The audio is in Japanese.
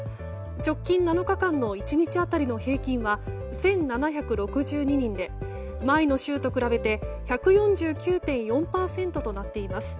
直近７日間の１日当たりの平均は１７６２人で前の週と比べて１４９．４％となっています。